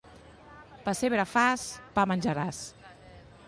Pessebre fas, pa menjaràs.